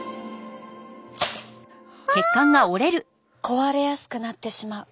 壊れやすくなってしまう。